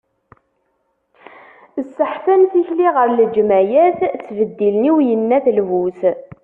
Sseḥfan tikli ɣer leğmayat, ttbeddilen i uyennat lbus.